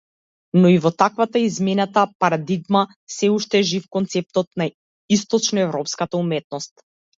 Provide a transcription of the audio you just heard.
Но и во таквата изменета парадигма, сѐ уште е жив концептот на источноеврпската уметност.